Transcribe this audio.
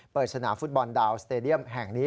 สนามฟุตบอลดาวสเตดียมแห่งนี้